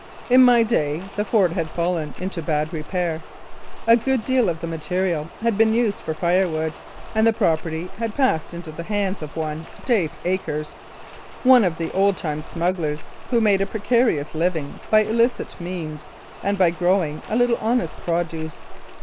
In my day the fort had fallen into bad repair. A good deal of the material had been used for firewood, and the property had passed into the hands of one Dave Akers, one of the old time smugglers, who made a precarious living by illicit means and by growing a little honest produce.